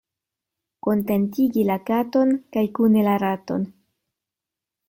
Kontentigi la katon kaj kune la raton.